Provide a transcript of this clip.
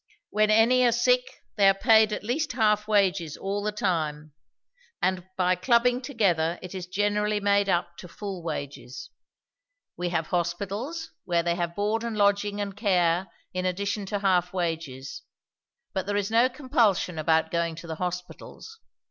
When any are sick, they are paid at least half wages all the time; and by clubbing together it is generally made up to full wages. We have hospitals, where they have board and lodging and care in addition to half wages; but there is no compulsion about going to the hospitals.